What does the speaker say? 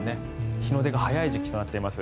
日の出が早い時期となっています。